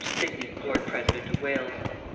Sidney lord president of Wales_.